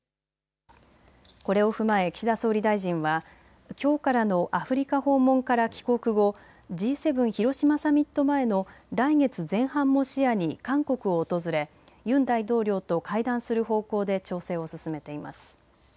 これを踏まえ岸田総理大臣はきょうからのアフリカ訪問から帰国後、Ｇ７広島サミット前の来月前半も視野に韓国を訪れユン大統領と会談する方向で調整を進めています。